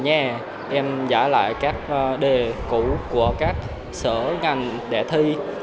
em giải lại các đề cũ của các sở ngành để thi